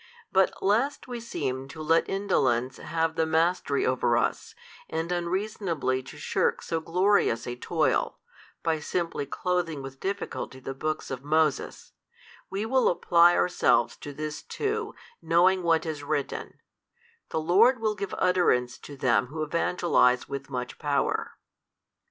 But lest we seem to let indolence have the mastery over us, and unreasonably to shirk so glorious a toil, by simply clothing with difficulty the books of Moses, we will apply ourselves to this too, knowing what is written, The Lord will give utterance to them who evangelize with much power.